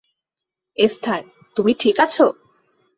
Esther, তুমি ঠিক আছো?